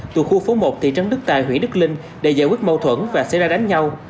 từ khu phố một thị trấn đức tài huyện đức linh để giải quyết mâu thuẫn và xảy ra đánh nhau